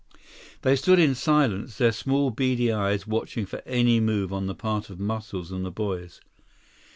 They stood in silence, their small, beady eyes watching for any move on the part of Muscles and the boys.